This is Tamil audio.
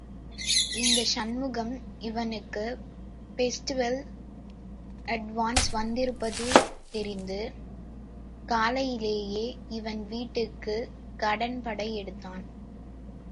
இந்த சண்முகம் இவனுக்கு பெஸ்டிவல் அட்வான்ஸ் வந்திருப்பது தெரிந்து, காலையிலேயே இவன் வீட்டுக்கு கடன்படை எடுத்தான்.